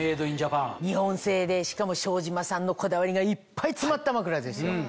日本製でしかも庄島さんのこだわりがいっぱい詰まった枕ですよ。